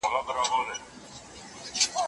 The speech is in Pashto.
پلان جوړونه د وسايلو او اهدافو ترمنځ پل دی.